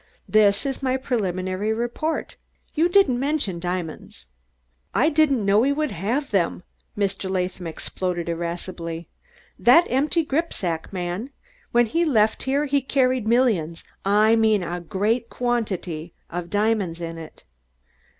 This is my preliminary report. You didn't mention diamonds." "I didn't know he would have them," Mr. Latham exploded irascibly. "That empty gripsack, man when he left here he carried millions I mean a great quantity of diamonds in it."